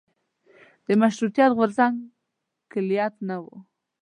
د مشروطیت غورځنګ کلیت نه و.